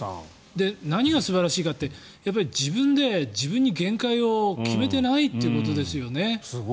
何が素晴らしいかって自分で自分に限界を決めてないということですよね。